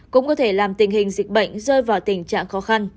cũng có thể làm tình hình dịch bệnh rơi vào tình trạng khó khăn